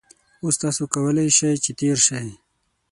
اوس تاسو کولای شئ چې تېر شئ